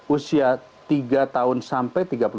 usia tiga tahun sampai tiga puluh tahun